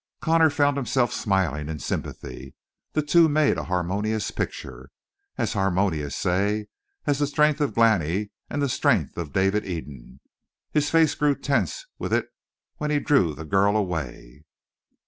Connor found himself smiling in sympathy. The two made a harmonious picture. As harmonious, say, as the strength of Glani and the strength of David Eden. His face grew tense with it when he drew the girl away.